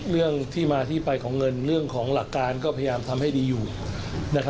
เลือกให้ติดอีกอย่างหนึ่งมันไม่ดีหรอก